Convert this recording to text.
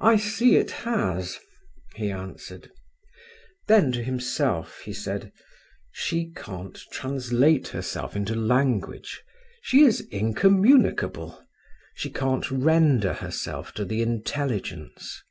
"I see it has," he answered. Then to himself he said: "She can't translate herself into language. She is incommunicable; she can't render herself to the intelligence.